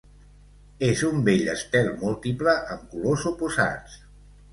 És un bell estel múltiple amb colors oposats.